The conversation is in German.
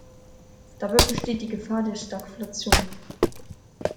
Dabei besteht die Gefahr der Stagflation.